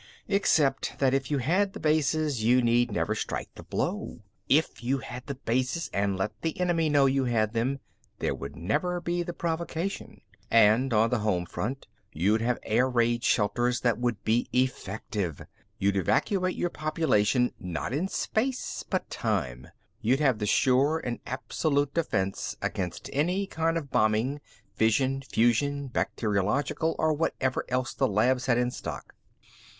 Except that if you had the bases, you need never strike the blow. If you had the bases and let the enemy know you had them, there would never be the provocation. And on the home front, you'd have air raid shelters that would be effective. You'd evacuate your population not in space, but time. You'd have the sure and absolute defense against any kind of bombing fission, fusion, bacteriological or whatever else the labs had in stock.